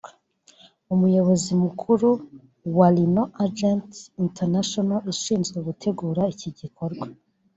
Umuyobozi mukuru wa Lino Agency International ishinzwe gutegura iki gikorwa